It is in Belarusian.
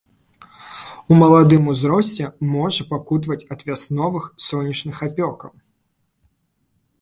У маладым узросце можа пакутаваць ад вясновых сонечных апёкаў.